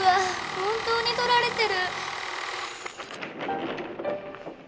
本当に撮られてる。